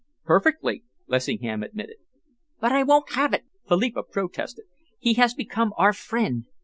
"Perfectly," Lessingham admitted. "But I won't have it!" Philippa protested. "He has become our friend.